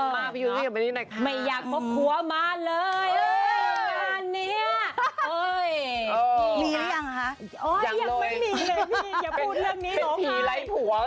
อย่าพูดเรื่องนี้หรอกค่ะเป็นผีไล่ผัวเลยพี่เซโนวินเนี่ย